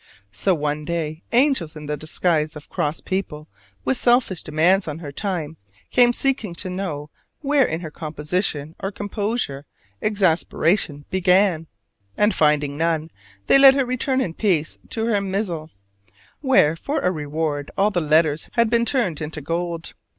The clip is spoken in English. So, one day, angels in the disguise of cross people with selfish demands on her time came seeking to know where in her composition or composure exasperation began: and finding none, they let her return in peace to her missal, where for a reward all the letters had been turned into gold.